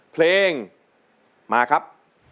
เพลงมาครับ